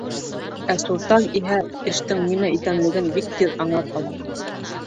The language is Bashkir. Ә Суртан иһә эштең нимәлә икәнлеген бик тиҙ аңлап ала.